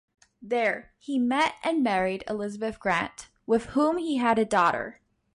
There, he met and married Elizabeth Grant, with whom he had a daughter.